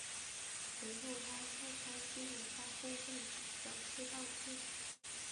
随后他召开新闻发布会表示道歉。